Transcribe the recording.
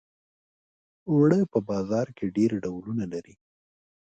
اوړه په بازار کې ډېر ډولونه لري